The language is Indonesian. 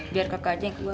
biar kakak aja yang kebawa